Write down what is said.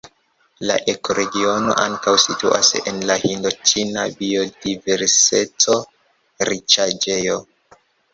La ekoregiono ankaŭ situas en la Hindoĉina biodiverseco-riĉaĵejo.